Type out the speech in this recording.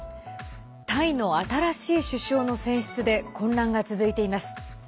タイの新しい首相の選出で混乱が続いています。